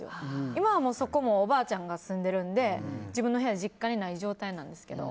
今はそこもおばあちゃんが住んでるので自分の部屋が実家にない状態なんですけど。